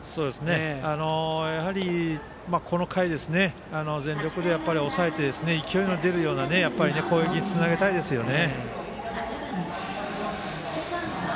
やはり、この回を全力で抑えて、勢いの出るような攻撃につなげたいですよね。